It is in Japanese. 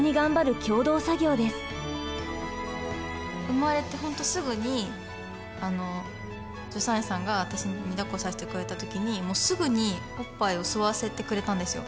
産まれてほんとすぐに助産師さんが私にだっこさせてくれた時にもうすぐにおっぱいを吸わせてくれたんですよ。